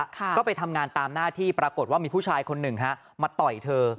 ก็ไปทำงานตามหน้าที่ปรากฏว่ามีผู้ชายคนหนึ่งฮะมาต่อยเธอ